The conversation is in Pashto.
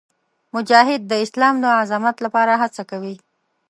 مجاهد د اسلام د عظمت لپاره هڅه کوي.